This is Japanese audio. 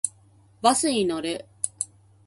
バスに乗る。